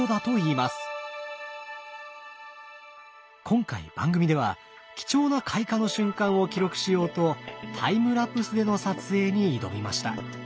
今回番組では貴重な開花の瞬間を記録しようとタイムラプスでの撮影に挑みました。